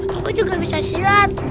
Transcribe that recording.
aku juga bisa siat